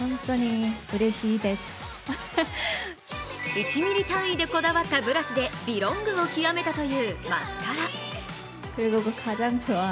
１ｍｍ単位でこだわったブラシで美ロングを極めたというマスカラ。